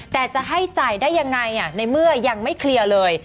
แต่จะให้จ่ายได้ยังไงในเมื่อยังไม่เคลียร์เลย